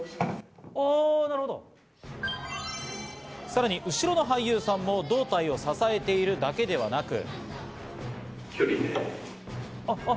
さらに後ろの俳優さんも胴体を支えているだけではなく。